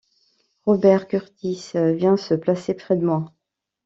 Robert Kurtis vient se placer près de moi.